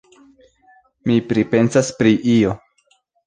Mi pripensas pri io.